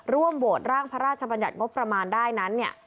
โหวตร่างพระราชบัญญัติงบประมาณได้นั้นเนี่ย